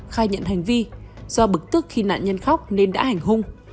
khai nhận hành vi do bực tức khi nạn nhân khóc nên đã hành hung